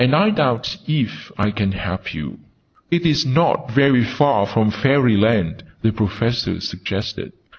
"I doubt if I can help you?' "It is not very far from Fairyland," the Professor suggested.